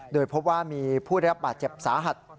โดยพบว่ามีผู้เรียกปลาเจ็บสาหัส